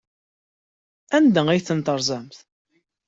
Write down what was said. Anda ay ten-terẓamt?